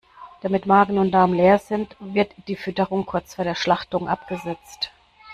Damit Magen und Darm leer sind, wird die Fütterung kurz vor der Schlachtung abgesetzt.